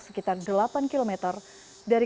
sekitar delapan km dari